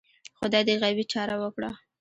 خدای دې غیبي چاره وکړه